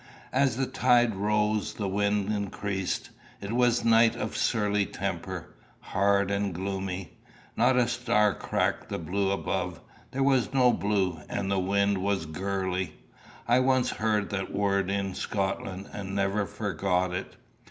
As the tide rose the wind increased. It was a night of surly temper hard and gloomy. Not a star cracked the blue above there was no blue; and the wind was gurly; I once heard that word in Scotland, and never forgot it.